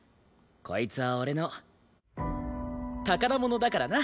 こいつは俺の宝物だからな。